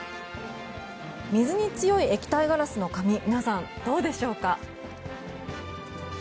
水に強い液体ガラスの紙皆さん、どうでしょうか。